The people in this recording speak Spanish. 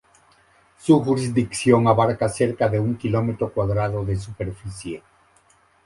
Su jurisdicción abarca cerca de un kilómetro cuadrado de superficie.